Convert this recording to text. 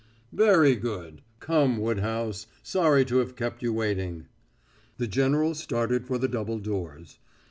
"Very good. Come, Woodhouse; sorry to have kept you waiting." The general started for the double doors.